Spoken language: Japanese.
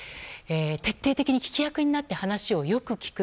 徹底的に聞き役になって話を聞く。